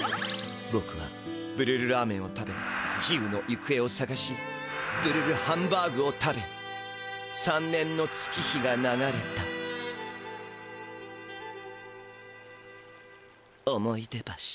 ぼくはブルルラーメンを食べジュウのゆくえをさがしブルルハンバーグを食べ３年の月日が流れたおもいでばし。